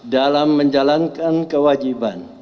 dalam menjalankan kewajiban